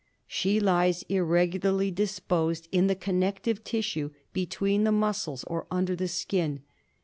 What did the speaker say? She lies irregularly disposed in the connective tissue between the muscles or under the skin.